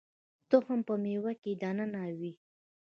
تخم په مېوه کې دننه وي